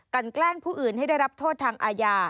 แกล้งผู้อื่นให้ได้รับโทษทางอาญา